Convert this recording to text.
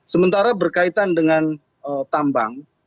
sementara berkaitan dengan tambang